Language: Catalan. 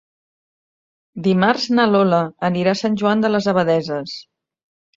Dimarts na Lola anirà a Sant Joan de les Abadesses.